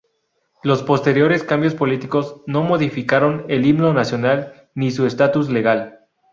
Los posteriores cambios políticos no modificaron el himno nacional ni su estatus legal.